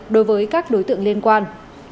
đối với các đối tượng liên quan